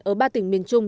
ở ba tỉnh miền trung